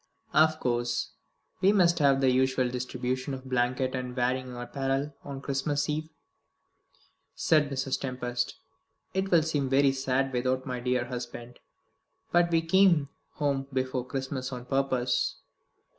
"Of course, we must have the usual distribution of blanket and wearing apparel on Christmas Eve," said Mrs. Tempest. "It will seem very sad without my dear husband. But we came home before Christmas on purpose."